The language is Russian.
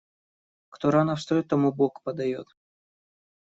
Кто рано встаёт, тому Бог подаёт.